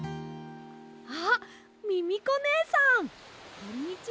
あっミミコねえさんこんにちは！